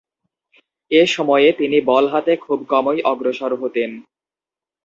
এ সময়ে তিনি বল হাতে খুব কমই অগ্রসর হতেন।